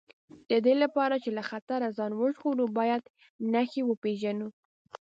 د دې لپاره چې له خطره ځان وژغورو باید نښې وپېژنو.